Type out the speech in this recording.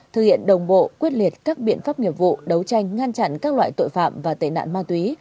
thực hiện đồng bộ quyết liệt các biện pháp nghiệp vụ đấu tranh ngăn chặn các loại tội phạm và tệ nạn ma túy